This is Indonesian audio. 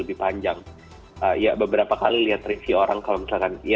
jadi riset yang kita lakukan itu sebenarnya hampir satu tahunan ya karena beruntungnya ada pandemi juga